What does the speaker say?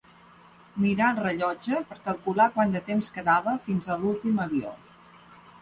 Mirà el rellotge per calcular quant de temps quedava fins a l'últim avió.